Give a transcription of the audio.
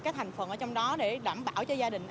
cái thành phần ở trong đó để đảm bảo cho gia đình